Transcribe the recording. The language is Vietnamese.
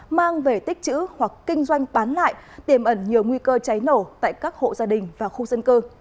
mang về tích chữ hoặc kinh doanh bán lại tiềm ẩn nhiều nguy cơ cháy nổ tại các hộ gia đình và khu dân cư